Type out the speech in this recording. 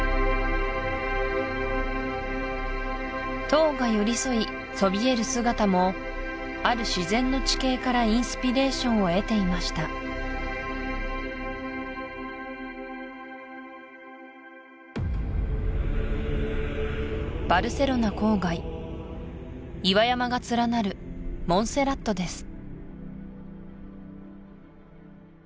塔が寄り添いそびえる姿もある自然の地形からインスピレーションを得ていましたバルセロナ郊外岩山が連なるモンセラットです